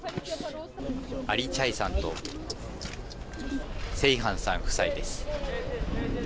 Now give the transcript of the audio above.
アリ・チャイさんとセイハンさん夫妻です。